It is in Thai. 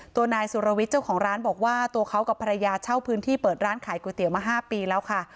ตัวนายสุรวิทย์เจ้าของร้านบอกว่าตัวเขากับภรรยาเช่าพื้นที่เปิดร้านขายก๋วยเตี๋ยวมา๕ปีแล้วค่ะ